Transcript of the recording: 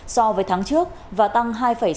so với tháng trước và tăng